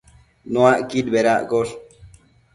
Nuacquid bedaccosh